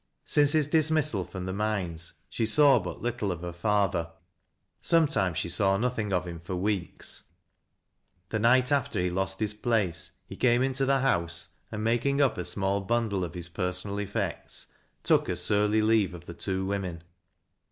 Since his dismissal from the mines, she saw but little of her father. Sometimes she saw nothing of him for weeks. The night af/er he lost his place, he came into the house, and making up a small bundle of his personal effects, took a surly leave of the two women.